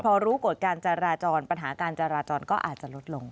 พอรู้กฎการจราจรปัญหาการจราจรก็อาจจะลดลง